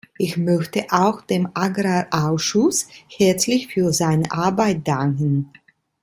Ich möchte auch dem Agrarausschuss herzlich für seine Arbeit danken.